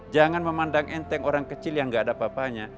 jangan memandang enteng orang kecil yang gak ada bapanya